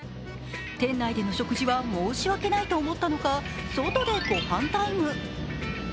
店内での食事は申し訳ないと思ったのか、外でご飯タイム。